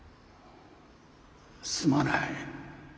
すまない。